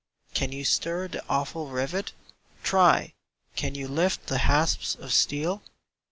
can you stir the awful rivet? Try! can you lift the hasps of steel?